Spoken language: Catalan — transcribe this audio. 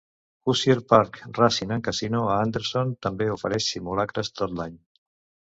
Hoosier Park Racing and Casino a Anderson també ofereix simulacres tot l'any.